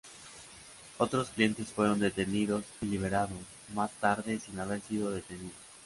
Otros clientes fueron detenidos y liberados más tarde sin haber sido detenidos.